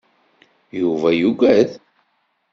Yuba yugad.